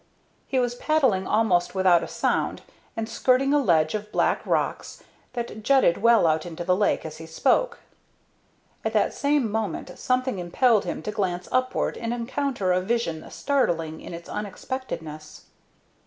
He was paddling almost without a sound, and skirting a ledge of black rocks that jutted well out into the lake, as he spoke. At that same moment something impelled him to glance upward and encounter a vision startling in its unexpectedness.